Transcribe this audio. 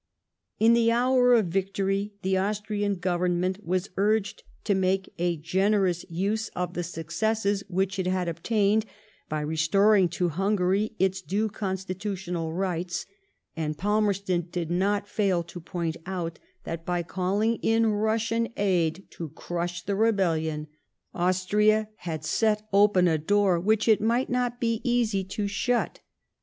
In the hour of victory the Austrian Govern ment was urged to make a generous use of the successes YEAB8 OF BEVOLUTION. 127 which it had obtained, by restoring to Hungary its due constitutional rights; and Palmerston did not fail to point out that, by calling in Russian aid to crush the rebellion, Austria had set open a door which it might not be easy to shut.